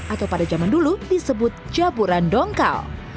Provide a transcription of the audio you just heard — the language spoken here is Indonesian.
atau pada zaman dulu disebut jaburan dongkal